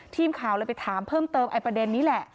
ทีมข่าวเลยไปถามเพิ่มเติมไอ้ประเด็นนี้แหละ